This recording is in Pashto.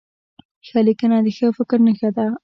ښه لیکنه د ښه فکر نښه ده.